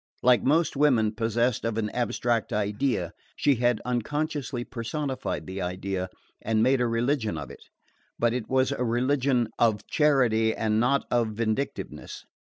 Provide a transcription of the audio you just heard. Like most women possessed of an abstract idea she had unconsciously personified the idea and made a religion of it; but it was a religion of charity and not of vindictiveness.